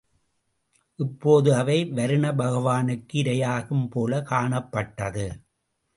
இப்போது அவை வருணபகவானுக்கு இரையாகும் போலக் காணப்பட்டது.